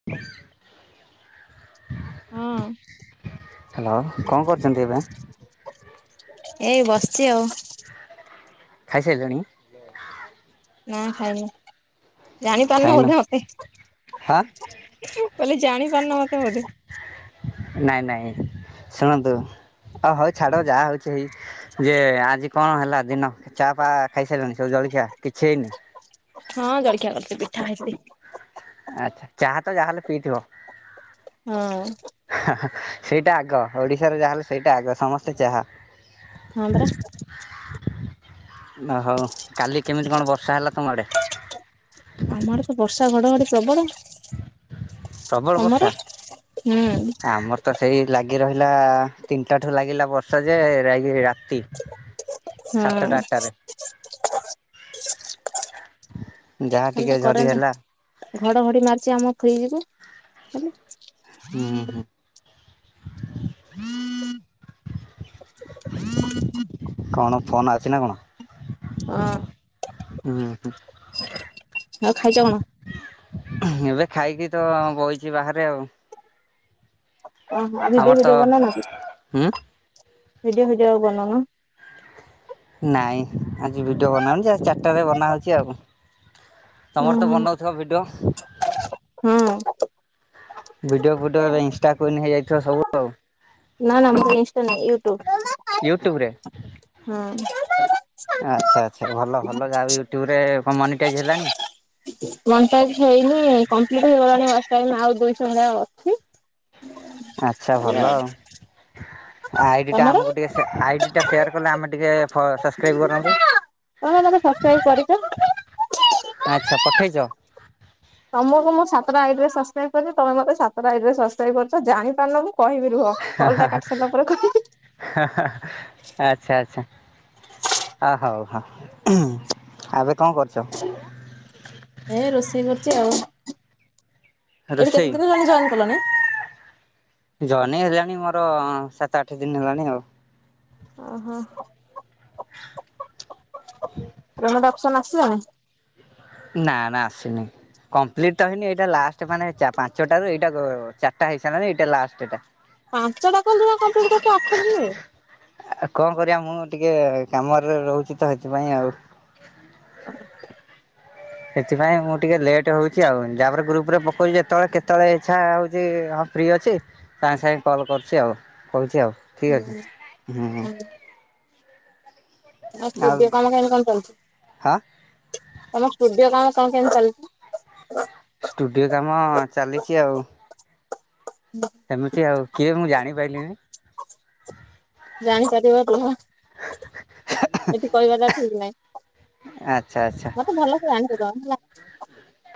[inaudible] ହଁ। ହ୍ୟାଲୋ କଣ କରୁଚନ୍ତି ଏବେ? ଏଇ ବସିଚି ଆଉ। ଖାଇ ସାଇ ଲଣି? ନା ଖାଇନି ଜାଣି ପାରୁନ ଖାଇନ ବୋଧେ ମତେ? ହଁ ବଲେ ଜାଣି ପାରୁନ ମୋତେ ବୋଧେ? ନାଇଁ ନାଇଁ ଶୁଣନ୍ତୁ ଅ ହଉ ଛାଡ ଯାହା ହଉଚ୍ କିଛିକଯେ ଆଜି କଣ ହେଲା ଦିନ ଚା ଫା ଖାଇସାଇଲଣି ସବୁ ଜଳଖିଆ କିଛି ହେଇନି? ହଁ ଜଳଖିଆ କରିଛି ପିଠା ଖାଇଚି। ଆଚ୍ଛା ଚାହା ତ ଯାହାଲେ ପିଇଥିବ। ହଁ। ହାହା ସେଇଟା ଆଗ ଓଡିଶାର ଯାହାହେଲେ ସେଇଟା ଆଗ ସମସ୍ତେ ଚାହା। ହଁ ପରା। ହଁ ହଉ କାଲି କେମିତି କଣ ବର୍ଷା ହେଲା ତମ ଆଡ଼େ? ଆମ ଆଡେ ତ ବର୍ଷା ଘଡଘଡି ପ୍ରବଳ। ପ୍ରବଳ ବର୍ଷା? ତମର? ହୁଁ। ଆମର ତ ସେଇ ଲାଗି ରହିଲା ତିନିଟା ଠୁ ଲାଗିଲା ବର୍ଷା ଯେ ଯାଇକିରି ରାତି। ସାତଟା ଆଠଟାରେ ହୁଁ। ଯାହା ଖାଲି ଟିକେ ତ ଝରି କରେଣ୍ଟ ହେଲା ଘଡଘଡି ମାରିଛି ଆମ ଫ୍ରିଜ କୁ କାଲି। ହୁଁ ହୁଁ। [inaudible] କଣ ଫୋନ ଆଉଛି ନା କଣ? ହଁ। ହୁଁ ହୁଁ। ଆଉ ଖାଇଛ କଣ? ଏବେ ଖାଇକି ତ ବଇଚି ବାହାରେ ଆଉ। ଓ ହଁ ଭିଡିଓ ଆମର ତ ଭିଡିଓ ବନଉନ କି? ହୁଁ ଭିଡିଓ ଭିଡିଓ ଆଉ ବନଉନ? ନାଇଁ ଆଜି ଭିଡିଓ ବନାହଉନି ଚାରିଟା ରେ ବନାହଉଛି ଆଉ। ତମର ତ ବନଉଥିବ ଭିଡିଓ? ହୁଁ। ଭିଡିଓ ଫିଡ଼ିଓ ଏବେ ଇନଷ୍ଟା କୁଇନ୍ ହେଇଯାଇଥିବ, ସବୁ ଆଉ। ନା ନା, ମୋର ଇନଷ୍ଟା ନାଇ, ୟୁଟ୍ୟୁବ ୟୁଟ୍ୟୁବ ରେ ହୁଁ। ଆଚ୍ଛା, ଆଚ୍ଛା, ଭଲ ଭଲ, ଯାହାବି ୟୁଟ୍ୟୁବୁରେ କଣ ମନିଟାଇଜ ହେଲାଣି? ମନିଟାଇଜ ହେଇନି, କମ୍ପ୍ଲିଟ୍ ହେଇଗଲାଣି ୱାଚ୍ ଟାଇମ୍, ଆଉ ଦୁଇଶହ ଭଳିଆ ଅଛି ଆଚ୍ଛା ଭଲ ଆଉ। ଆଇଡିଟା ଆମକୁ ଟିକେ ସେ, ତମର? ଆଇଡିଟା ସେୟାର କଲେ ଆମେ ଟିକେ ସସ୍କ୍ରାଇବ କରନ୍ତୁ। ତମେ ମୋତେ ସସ୍କ୍ରାଇବ କରିଚ। ଆଚ୍ଛା, ପଠେଇଛ? ତମକୁ ମୁଁ ସାତଟା ଆଇଡିରେ ସସ୍କ୍ରାଇବ କରିଚି, ତମେ ମତେ ସାତଟା ଆଇଡିରେ ସସ୍କ୍ରାଇବ କରିଚ, ଜାଣିପାରୁନ ମୁଁ କହିବିନି। ରୁହ, କଲ୍‌ଟା କାଟି ସାରିଲା ପରେ କହିହି। ହା ହା, ଆଚ୍ଛା, ଆଚ୍ଛା। ଆ, ହଉ, ହଁ, ହୁଁ, ଏବେ କଣ କରୁଚ? ଏ ରୋଷେଇ କରୁଚି ଆଉ। ଏଠି ରୋଷେଇ କେତେ ଦିନ ହେଲାଣି ଜଏନ୍ କଲଣି? ଜଏନି ହେଲାଣି ମୋର ସାତ ଆଠ ଦିନ ହେଲାଣି ଆଉ। ଓହୋ, [unintelligible] ପେମେଣ୍ଟ ଅପ୍ସନ୍ ଆସିଲାଣି? ନା ନା, ଆସିନି। କମ୍ପ୍ଲିଟ ତ ହେଇନି, ଏଇଟା ଲାଷ୍ଟ, ମାନେ ଚା ପାଞ୍ଚଟାରୁ ଏଇଟା ଗ ଚାରିଟା ହେଇସାରିଲାଣି, ଏଇଟା ଲାଷ୍ଟଟା। ପାଞ୍ଚଟା କଲ ଜମା କମ୍ପିଟି କରିଚ, ଆଠ ଦିନରେ? ଆଉ କଣ କରିବା, ମୁଁ ଟିକେ କାମରେ ରହୁଚି ତ, ହେଥିପାଇଁ ଆଉ। [unintelligible] ସେଥିପାଇଁ ମୁଁ ଟିକେ ଲେଟ୍ ହଉଚି ଆଉ, ଯାହାପରେ ଗ୍ରୁପରେ ପକଉଚି ଯେତେବେଳେ କେତେବେଳେ ଇଚ୍ଛା ହଉଚି ଅ ଫ୍ରି ଅଛି, ସାଙ୍ଗେ ସାଙ୍ଗେ କଲ୍ କରୁଚି ଆଉ, କହୁଚି ଆଉ, ଠିକ୍ ହୁଁ ଅଛି, ହୁଁ ହୁଁ। ତମ ଆଉ ଷ୍ଟୁଡିଓ କାମ କେମତି କଣ ଚାଲିଚି? ହଁ ତମ ଷ୍ଟୁଡିଓ କାମ କଣ କେମିତି ଚାଲିଚି? ଷ୍ଟୁଡିଓ କାମ ଚାଲିଚି ଆଉ। [unintelligible] ଏମିତି ଆଉ, କିଏ ମୁଁ ଜାଣିପାଇଲିନି? ଜାଣିପାରିବ, ରୁହ, ଏଠି କହିବାଟା ଠିକ ନାଇ। ଆଚ୍ଛା ଆଚ୍ଛା। ମତେ ଭଲ ସେ ଜାଣିଚତ, ହେଲା।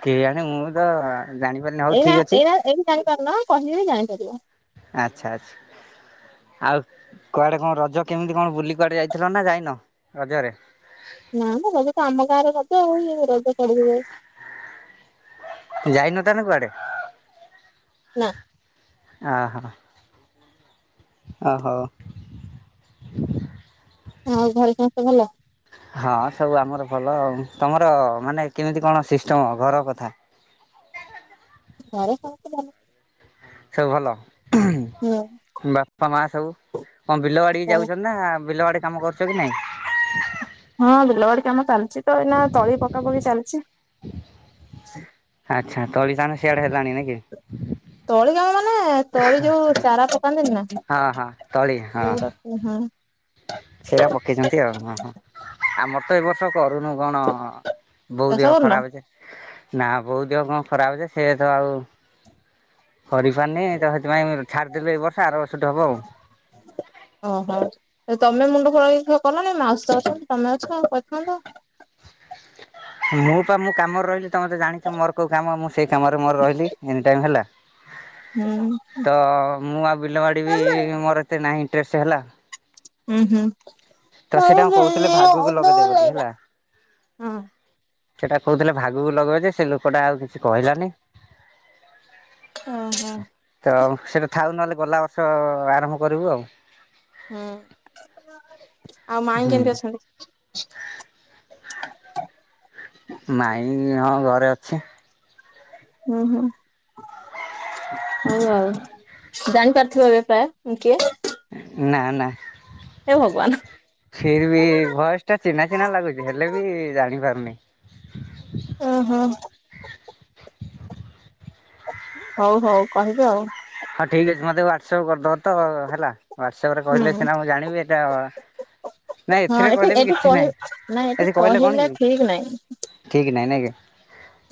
କେଜାଣି, ମୁଁ ତ ଜାଣିପାରୁନ ଏଇନା ଏଇନା ଏଇନୁ ଜାଣିପାରୁନ, କହିଲେ ଜାଣିପାରିବ। ଆଚ୍ଛା ଆଚ୍ଛା। ଆଉ କୁଆଡେ କଣ ରଜ, କେମିତି କଣ ବୁଲି କୁଆଡେ ଯାଇଥିଲ ନା ଯାଇନ, ରଜରେ? ନା ମ, ରଜ ତ ଆମ ଗାଁରେ ରଜ, ଆଉ ଇଏ ରଜ କୁଆଡେ ଯିବ। ଯାଇନ ତାହେନେ କୁଆଡେ? ନା। ଆହା, ଓହୋ ଆଉ ଘରେ ସମସ୍ତେ ଭଲ? ହଁ, ସବୁ ଆମର ଭଲ ଆଉ, ତମର ମାନେ କେମିତି କଣ ସିଷ୍ଟମ ଘର କଥା? ଘର ସମସ୍ତେ ଭଲ। ସବୁ ଭଲ, ଉଁ। ହଁ। ବାପା ମା ସବୁ କଣ ବିଲ ବାଡିିକି ଭଲ। ଯାଉଛନ୍ତି। ନା ବିଲ ବାଡି କାମ କରୁଚ କି ନାଇଁ? ହଁ ବିଲବାଡି କାମ ଚାଲିଚିତ ଏଇନା ତଳି ପକା ପକି ଚାଲିଚି। ଆଚ୍ଛା ତଳି ତାନେ ସିଆଡେ ହେଲାଣି ନାଇଁ କି? ତଳି କାମ ମାନେ ତଳି ଯୋଉ ଚାରା ପକାନ୍ତିନି ନା। ହଁ ହଁ ତଳି ହଁ। ଉହୁଁ। ସେରା ପକେଇଛନ୍ତି ଆଉ ହଁ ହଁ ଆମର ତ ଏ ବର୍ଷ କରୁନୁ କଣ ବୋଉ ଚାଷ ଦେହ କରୁନ? ଖରାପ ଅଛେ ନା ବୋଉ ଦେହ କଣ ଖରାପ ଅଛେ ସେ ତ ଆଉ କରିପାରୁନି ତ ସେଥିପାଇଁ ଛାଡିଦେଲେୁ ଏଇ ବର୍ଷ ଆର ବର୍ଷଠୁ ହବ ଆଉ। ଓହୋ ତମେ ମୁଣ୍ଡକୁ ନଗେଇ ସବୁ କଲନି ମାଉସିତ ଅଛନ୍ତି ତମେ ଅଛ ଆଉ କରିଥାନ୍ତ। ମୁଁ ପା ମୁଁ କାମରେ ରହିଲି ତମେ ତେ ଜଣିଛ ମୋର କୋଉ କାମ ମୁଁ ସେଇ କାମରେ ମୋର ରହିଲି ଏନି ଟାଇମ ହେଲା। ହୁଁ। ତ ମୁଁ ଆଉ ବିଲବାଡି ବି ମୋର ଏତେ ନାହିଁ ଇଣ୍ଟରେଷ୍ଟ ହେଲା। ହୁଁ ହୁଁ ତ ସେଇଟା କହୁଥିଲେ ଭାଗକୁ ଲଗେଇଦେ ବୋଲି ହଁ। ସେଟା କହୁଥିଲେ ଭାଗକୁ ଲଗେଇବା ଯେ ସେ ଲୋକଟା ଆଉ କିଛି କହିଲାନି। ଓ ହୋ ତ ସେଇଟା ଥାଉ ନହେଲେ ଗଲା ବର୍ଷ ଆରମ୍ଭ କରିବୁ ଆଉ। ହୁଁ ଆଉ ମାଇଁ ହୁଁ କେମିତି ଅଛନ୍ତି? ମାଇ ହଁ ଘରେ ଅଛି। ହୁଁ ହୁଁ ହଉ ଆଉ। ଜାଣିପାରୁଥିବ ଏବେ ପ୍ରାୟ ମୁଁ କିଏ? ନା ନା। ହେ ଭଗବାନ। ଫିର ବି ଭୟସ ଟା ଚିହ୍ନା ଚିହ୍ନା ଲାଗୁଛି ହେଲେ ବି ଜାଣି ପାରୁନି। ଉଁ ହୁଁ। ହଉ ହଉ କହିବି ଆଉ। ହଁ ଠିକ୍ ଅଛି ମତେ ହ୍ୱାଟସପ୍ କରିଦବ ତ ହେଲା। ହ୍ୱାଟ୍ସଆପ ରେ କହିଲେ ହୁଁ ସିନା ମୁଁ ଜାଣିବି ଏଟା ନାଇଁ ହଁ ଏଥିରେ ଏଠି କହିଲେ ବି ଏଠି କିଛି କହି ନାଇଁ ନାଇଁ ଏଠି କହିଲେ କଣ କି? ଠିକ ଠିକ ନାଇଁ ନାଇଁ କି?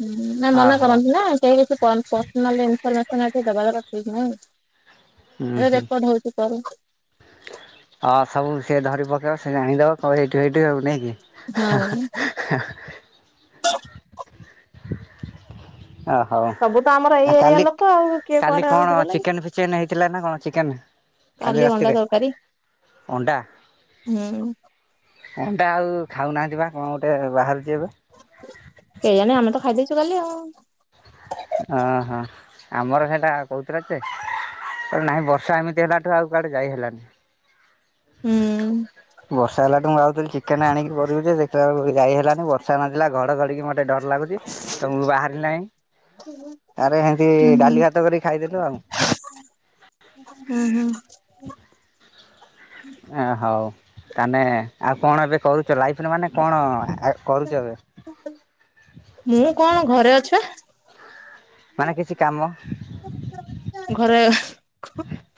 ହୁଁ ନା ମନା ଓହୋ କରନ୍ତି ନା। କେହି କିଛି ପନ ପର୍ସନାଲ ଇନ୍ଫରମେଶନ ଏଠି ଦବାକଥା ଠିକ ନୁଁହୁ ହୁଁ ଏଠି ହୁଁ ରେକର୍ଡ ହଉଛି। ସେପ [unintelligible] ହଁ ସବୁ ସିଏ ଧରି ପକେଇବ ସେ ଜାଣିଦବ କଇବ ଏଇଠୁ ହେଇଠୁ ନାଇକି। ହ ହଁ ଓ ହଉ ସବୁ ତ ଆମର ଏଇ ଆଉ ଏରିଆ କାଲି ଲୋକ ଆଉ କିଏ କାଲି କୁଆଡେ ଆଉ କଣ ଗଲା କି? ଚିକେନ୍ ଫିକେନ୍ ହେଇଥିଲା ନା କଣ ଚିକେନ୍ କାଲି ଅଣ୍ଡା ତରକାରୀ ଅଣ୍ଡା ହୁଁ। ଅଣ୍ଡା ଆଉ ଖାଉନାହାନ୍ତି ବା କଣ ଗୋଟେ ବାହାରୁଛି ଏବେ? କେଜାଣି ଆମେ ତ ଖାଇ ଦେଇଛୁ କାଲି ଆଉ। ଓହୋ ଆମର ସେଟା କହୁଥିଲା ଯେ ନହିଁ ବର୍ଷା ଏମିତି ହେଲାଠୁ ଆଉ କୁଆଡେ ଯାଇ ହେଲାନି। ହୁଁ। ବର୍ଷା ହେଲାଠୁ ମୁଁ ଭାଉଥିଲି ଚିକେନ ଆଣିକି କରିବି ଯେ ଦେ ତ ଆଉ ଯାଇ ହେଲାନି ବର୍ଷା ନଥିଲା ଘଡ ଘଡିକି ମୋତେ ଡର ଲାଗୁଛି ତ ମୁଁ ବାହାରିଲି ନାହିଁ। ହୁଁ ଆରେ ଏମିତି ହୁଁ। ଡାଲି ଭାତ କରିକି ଖାଇଦେଲୁ ଆଉ। ହୁଁ ହୁଁ ଏ ହଉ ତାେ ଆଉ କଣ ଏବେ କରୁଛ ଲାଇଫ୍ରେ ମାନେ କଣ କରୁଛ ଏବେ। ମୁଁ କଣ ଘରେ ଅଛି ବା। ମାନେ କିଛି କାମ। ଘରେ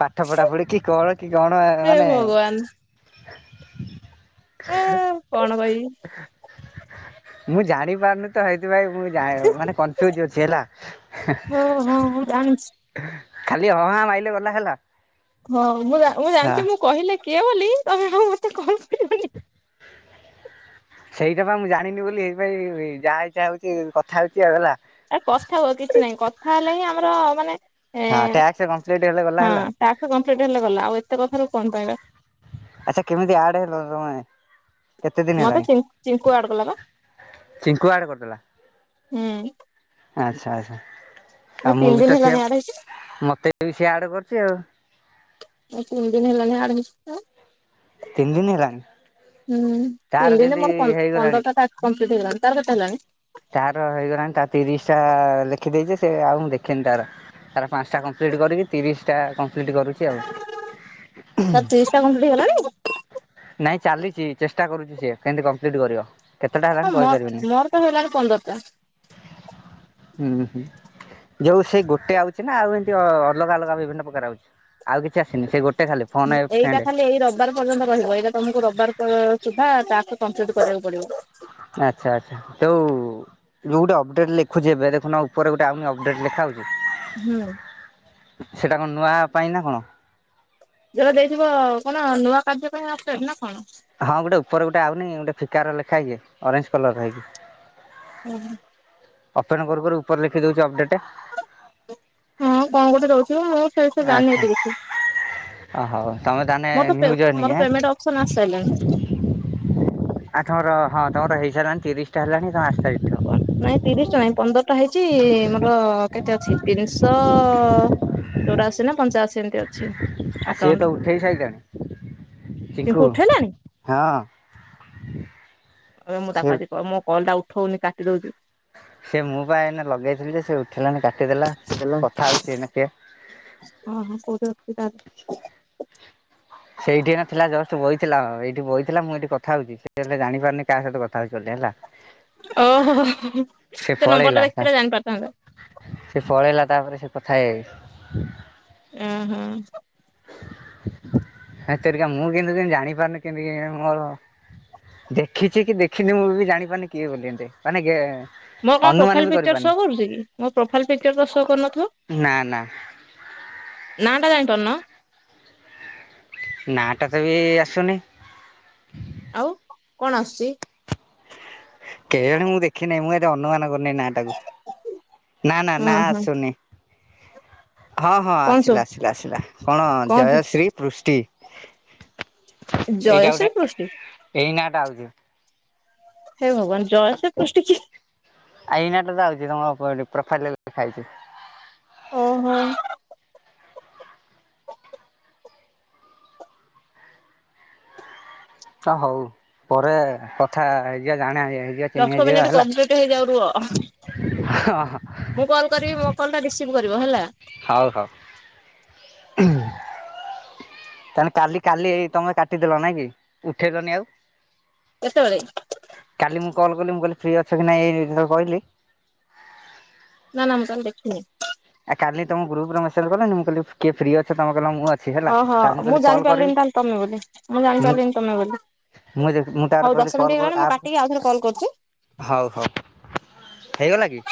ପାଠ ପଢା ପଢି କି କଣ କି କଣ ହେ ମାନେ? ଭଗବାନ ଏ [inaudible] କଣ କହିବି? ମୁଁ ଜାଣି ପାରୁନି ତ ହେଇଥି ପାଇଁ ମୁଁ ବି ଜାଣି ମାନେ କନଫ୍ୟୁଜ ଅଛି ହେଲା। ଓ ହୋ ହଁ ଜାଣିଛି। ଖାଲି ହଁ ହାଁ ମାଇଲେ ଗଲା ହେଲା। ହଁ ମୁଁ ମୁଁ ଜାଣିଚି ହଁ ମୁଁ କହିଲେ କିଏ ବୋଲି ତମେ ଆଉ ମତେ କଲ୍ କରିବନି। [inaudible] ସେଇଟା ପା ମୁଁ ଜାଣିନି ବୋଲି ସେଇଥି ପାଇଁ ଯାହା ଇଚ୍ଛା ହୋଉଚି କଥା ହୋଉଚି ଆଉ ହେଲା। ଆ କଥା ହୁଅ କିଛି ନାହିଁ କଥା ହେଲେ ହିଁ ଆମର ମାନେ ହଁ ଟ୍ୟାକ୍ସ କମ୍ପ୍ଲିଟ ହେଲେ ଗଲା ହଁ। ହେଲା। ଟାସ୍କ କମ୍ପ୍ଲିଟ ହେଲେ ଗଲା ଆଉ ଏତେ କଥାରୁ କଣ ପାଇବା। ଆଚ୍ଛା କେମିତି ଆଡ ହେଲ ତମେ। କେତେ ଦିନି ମତେ ହେଲାଣି ଚି ଚିଙ୍କୁ ଆଡ କଲା ବା ଚିଙ୍କୁ ଆଡ କରିଦେଲା। ହୁଁ ଆଚ୍ଛା ଆଚ୍ଛା ଆ ମୁଁ ତିନି ବି ଦିନ ତ ହେଲାଣି ଆଡ ହେଇଛି। ସେୟା ମତେ ବି ସିଏ ଆଡ କରିଚି ଆଉ। ତିନି ଦିନି ହେଲାଣି ଆଡ ହେଇଚିତ। ତିନି ଦିନ ହେଲାଣି? ହୁଁ ତାର ତିନି ଦିନେ କେମିତି ମୋର ହେଇଗଲାଣି। ପନ୍ଦରଟା ଟାସ୍କ କପ୍ଲିଟି ହେଇଗଲାଣି ତାର କେତେ ହେଲାଣି? ତାର ହେଇଗଲାଣି ତା ତିରିଶ ଟା ଲେଖିଦେଇଚି ସେ ଆଉ ମୁଁ ଦେଖୀନି ତାର। ତାର ପାସଂଟା କମ୍ପ୍ଲିଟ୍ କରିକି ତିରିଶଟା କମ୍ପ୍ଲିଟ୍ କରୁଚି ଆଉ। ତାର ତିରିଶୀ ଟା କମ୍ପଲିଟ୍ ହେଲାଣି। ନାଇଁ ଚାଲିଚି ଚେଷ୍ଟା କରୁଚି ସିଏ କେମିତି କମ୍ପ୍ଲିଟ କରିବ। କେତେଟା ହେଲାଣି ହଁ ମୋର ମୋର ତ ହେଇ ଗଲାଣି ପନ୍ଦରଟା। ଉଁ ହୁଁ। ଯୋଉ ସେଇ ଗୋଟେ ଆଉଚି ନା ଆଉ ଏମିତି ଅଲଗା ଅଲଗା ବିଭିନ୍ନ ପ୍ରକାର ଆଉଚି ଆଉ କିଛି ଆସିନି ସେ ଗୋଟେ ଖାଲି ଫୋନ୍ ଏ ଏଇଟା ଫ୍ରେଣ୍ଡ୍। ଖାଲି ଏଇ ରବ [unintelligible] ଏଇଟା ତମକୁ ରବିବାର ସୁଧା ଟାସ୍କ କପ୍ଲିଟ କରିବାକୁ ପଡିବ ଆଚ୍ଛା ଆଛା ଯୋଉ ଯୋଉ ଗୁଟେ ଅପଡେଟ ଲେଖୁଚି ଏଵେ ଦେଖୁନ ଉପରେ ଗୁଟେ ଆଉନି ଅପଡେଟ ଲେଖା ହୋଉଚି। ହୁଁ। ସେଟା କଣ ନୂଆ ହଵା ପାଇଁ ନା କଣ। ଯୋଉଟା ଦେଇଥିବ କଣ ନୂଆ କାର୍ଯ୍ୟ ପାଇଁ ଅପଡେଟ ନା କଣ। ହଁ ଗୁଟେ ଉପରେ ଗୁଟେ ଆଉନି ଗୋଟେ ଫିକାର ଲେଖାହେଇକି ଅରେଞ୍ଜ କଲରର। [inaudible] ଓପୋନ୍ କରୁ କରୁ ଉପରେ ଲେଖିଦୋଉଚି ଅପଡେଟ୍। ହଁ କଣ ଗୋଟେ ରହୁଥୁବ ମୁଁ ସେ ବିଷୟରେ ଜାଣିନି ଆଚ୍ଛା ଏତେ କିଛି। ହଉ ତମେ ତାହେଲେ ମୋର ତ ପ୍ରେ ନ୍ୟୁ ଜଏନିଂ ମୋର ଆଁ? ପ୍ରେମେଣ୍ଟ ଅପସନ ଆଶୀ ସା ରିଲାଣି। ଆ ତମର ହଁ ତମର ହେଇସାରିଲାଣି ତିରିଶଟା ହେଲାଣି ମୋର ଆଠଟା ହେଇଛି ନାଇଁ ତିରିଶଟା ନାଇଁ ପନ୍ଦରଟା ହେଇଚି ମୋର କେତେ ଅଛି ତିନିଶ ଚୋରାଶୀ ନା ପଞ୍ଚାଅଶୀ ଏମିତି ଅଛି। ଆ ସିଏ ଆକାଉଣ୍ଟ ତ ଉଠେଇ ସାଇିଲାଣି କିନ୍ତୁ ଚିଙ୍କୁ। ଉଠେଇଲାଣି ହଁ। ଏବେ ମୁଁ ସେ ତାକୁ ଆଜି କ ମୋ କଲ ଟା ଉଠୋଉନି କାଟି ଦଉଚି। ସେୟା ମୁଁ ପା ଏଇନା ଲଗେଇଥିଲି ଯେ ସେ ଉଠେଇ ଲାନି କାଟିଦେଲା। କଥା ହଉଛି ଏଇନା ସିଏ। [unintelligible] ସେଇଠି ଏଇନା ଥିଲା ଜଷ୍ଟ ବଇଥିଲା ଏଇଠି ବଇ ଥିଲା ମୁଁ ଏଇଠି କଥା ହୋଉଚି ସେ ହେଲେ ଜାଣିପାରୁନି କାହା ସହିତ କଥା ହୋଉଚି ହେଲା। [unintelligible] ଓହୋ ହୋ ହୋ ସେ ନମ୍ବର ଟା ଦେଖି ଥିଲେ ଜାଣିପାରିଥାନ୍ତା। ସେ ପଳେଇଲା ତାପରେ ସେ କଥା ହେଇ ହେଇ। ଅଁ ହଁ। ହେ ତେରିକା ମୁଁ କିନ୍ତୁ ଜାଣି ପାରୁନି କେମିତି କେଜାଣି ମୋରୋ। ଦେଖିଚି କି ଦେଖିନି ମୁଁ ବି ଜାଣିପାରୁନି କିଏ ବୋଲିଏତେ ମାନେ ଗେ ମୋର କଣ ଅନୁମାନ ପ୍ରୋଫାଇଲ ବି ପିକଚର କରିପାରୁନି ଶୋ କରୁଚି କି ମୋ ପ୍ରୋଫାଇଲ ପିକଚର ତ ଶୋ କରୁନଥିବ। ନା ନା ନା ଟା ଜାଣିପାରୁନ? ନା ଟା ତ ବି ଆସୁନି। ଆଉ କଣ ଆସୁଛି? କେ ଜାଣେ ମୁଁ ଦେଖିନାହିଁ, ମୁଁ ଏତେ ଅନୁମାନ କରୁନି ନା ଟାକୁ। ନା ନା ଉଁ ନା ହୁଁ ଆସୁନି। ହଁ ହଁ କଣ ସବୁ ଆସିଲା ଆସିଲା ଆସିଲା, କଣ ଜୟଶ୍ରୀ ପୃଷ୍ଟି। ଏଇଟା ଜୟଶ୍ରୀ ଗୋଟେ ପୃଷ୍ଟି ଏଇ ନା ଟା ଆଉଛି। ହେଇ ଭଗବାନ ଜୟଶ୍ରୀ ପୃଷ୍ଟି କିଏ? ଆଇ ଏଇ ନା ଟା ତ ଆଉଛି ତମ ପ୍ରୋଫାଇଲ୍ ରେ ଲେଖା ହେଇଛି। ଓହୋ। ଆ ଛା ହଉ ପରେ କଥା ହେଇଯିବା ଜାଣେ ଆଗେ। ଟିକେ ଦଶ ଚିହ୍ନିହେଇଯିବା ମିନିଟ୍ ହେଲା। କମ୍ପ୍ଲିଟ ହେଇଯାଉ ରୁହ ହ ହ। ମୁଁ କଲ୍ କରିବି ମୋ କଲ୍ ଟା ରିସିଭ୍ କରିବ ହେଲା। ହଉ ହଉ ହୁଁ। ତାଲେ କାଲି କାଲି ଏଇ ତମେ କାଟିଦେଲ ନାଇ କି? ଉଠେଇଲନି ଆଉ। କେତେବେଳେ? କାଲି ମୁଁ କଲ୍ କଲି ମୁଁ କଇଲି ଫ୍ରି ଅଛି କି ନାଇଁ କହିଲି ନା ନା ମୁଁ କାଲି ଦେଖିନି। ଆ କାଲି ତମ ଗ୍ରୁପରେ ମେସେଜ କଲେନି ମୁଁ କହିଲି କିଏ ଫ୍ରି ଅଛ ତମ କହିଲ ମୁଁ ଅଛି। ହେଲା ଓହୋ ତା କହିଲି ମୁଁ କଲ୍ କରିବି ଜାଣିପାରିଲିନି ତାହେଲେ ତମେ ବୋଲି। ମୁଁ ଜାଣିପାରିଲିନି ତମେ ବୋଲି। ମୁଁ ମୁଁ ତାପରେ ହଉ କହିଲି ଦଶ ମିନିଟ୍ କଲ୍ କର ହେଇଗଲାଣି ମୁଁ ଆପ୍ କାଟିକି ଆଉଥରେ କଲ କରୁଛି। ହଉ ହଉ ହେଇଗଲା କି?